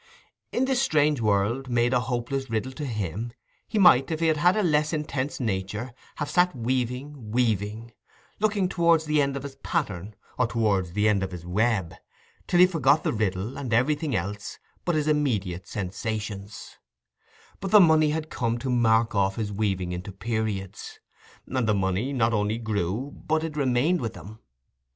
In this strange world, made a hopeless riddle to him, he might, if he had had a less intense nature, have sat weaving, weaving—looking towards the end of his pattern, or towards the end of his web, till he forgot the riddle, and everything else but his immediate sensations; but the money had come to mark off his weaving into periods, and the money not only grew, but it remained with him.